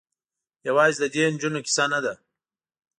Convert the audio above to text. یوازې د دې نجونو کيسه نه ده.